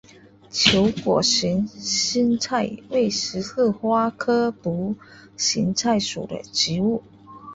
球果群心菜为十字花科独行菜属的植物。